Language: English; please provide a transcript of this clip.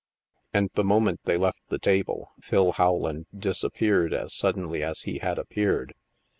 And the moment they left the table, Phil Howland disappeared as suddenly as he had appeared.